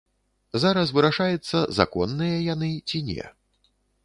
Зараз вырашаецца законныя яны, ці не.